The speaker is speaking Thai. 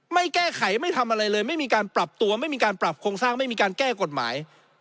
ไม่แก้ไขไม่ทำอะไรเลยไม่มีการปรับตัวไม่มีการปรับโครงสร้างไม่มีการแก้กฎหมาย